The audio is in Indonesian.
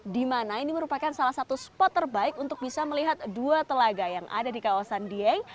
di mana ini merupakan salah satu spot terbaik untuk bisa melihat dua telaga yang ada di kawasan dieng